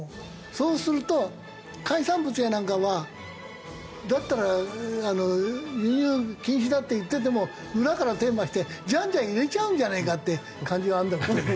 そうすると海産物やなんかはだったら輸入禁止だって言ってても裏から手回してじゃんじゃん入れちゃうんじゃないかって感じはあるんだけど。